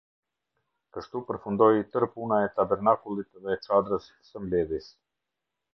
Kështu përfundoi tërë puna e tabernakullit dhe e çadrës së mbledhjes.